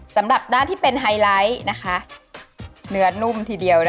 สำหรับด้านที่เป็นไฮไลท์นะคะเนื้อนุ่มทีเดียว